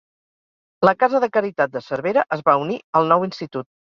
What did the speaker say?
La Casa de Caritat de Cervera es va unir al nou institut.